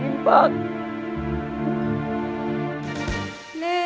ขอเพียงคุณสามารถที่จะเอ่ยเอื้อนนะครับ